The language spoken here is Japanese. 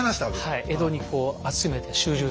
はい。